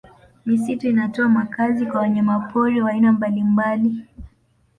Misitu inatoa makazi kwa wanyamapori wa aina mbalimbali